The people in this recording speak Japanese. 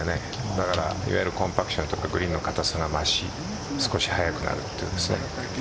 だからコンパクションとかグリーンの硬さが増し少し速くなるという。